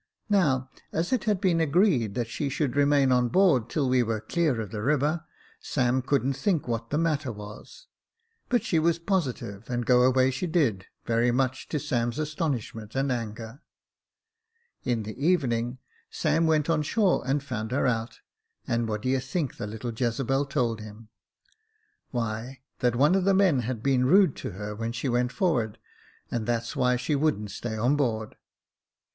Now, as it had been agreed that she should remain on board till we were clear of the river, Sam couldn't think what the matter was ; but she was positive, and go away she did, very much to Sam's astonishment and anger. In the evening, Sam went on shore and found her out, and what d'ye think the little Jezebel told him ?— why, that one of the men had been rude to her when she went forward, and that's why she wouldn't stay on board.